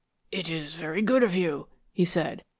"It is very good of you," he said.